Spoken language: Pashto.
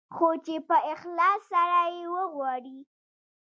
خو چې په اخلاص سره يې وغواړې.